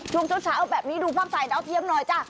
ช่วงเช้าแบบนี้ดูภาพถ่ายดาวเทียมหน่อยจ้ะ